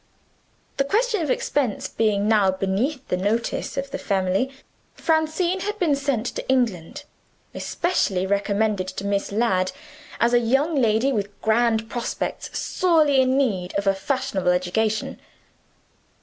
The question of expense being now beneath the notice of the family, Francine had been sent to England, especially recommended to Miss Ladd as a young lady with grand prospects, sorely in need of a fashionable education.